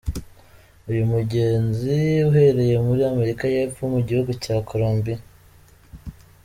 Uyu mugezi uhereye muri Amerika y’epfo mu gihugu cya “Columbia”.